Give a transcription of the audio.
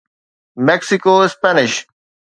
Mexico Spanish